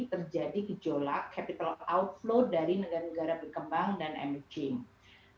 terjadi gejolak capital outflow dari negara negara berkembang dan emerging